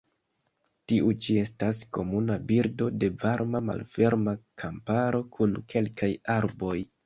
Tiu ĉi estas komuna birdo de varma malferma kamparo kun kelkaj arboj.